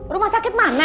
rumah sakit mana